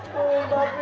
masih di rumah